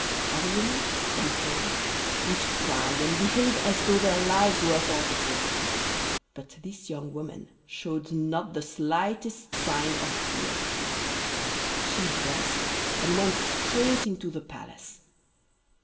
Other women, when called, would cry and behave as though their lives were forfeited, but this young woman showed not the slightest sign of fear. She dressed and went straight into the Palace.